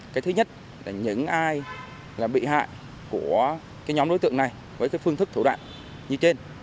cái thứ nhất là những ai bị hại của nhóm đối tượng này với phương thức thủ đoạn như trên